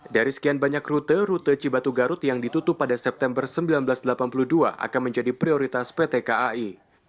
dari sekian banyak rute rute cibatu garut yang ditutup pada september seribu sembilan ratus delapan puluh dua akan menjadi prioritas pt kai